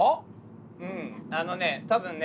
うんあのね多分ね